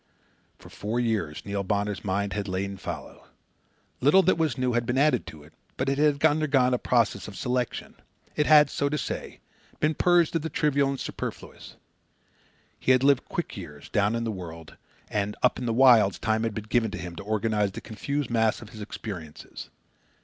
For four years Neil Bonner's mind had lain fallow. Little that was new had been added to it, but it had undergone a process of selection. It had, so to say, been purged of the trivial and superfluous. He had lived quick years, down in the world; and, up in the wilds, time had been given him to organize the confused mass of his experiences.